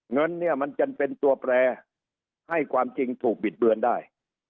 เงินเนี่ยมันจะเป็นตัวแปรให้ความจริงถูกบิดเบือนได้